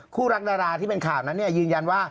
คู่รักดาราที่เป็นข่าวนั้นยืนยันว่า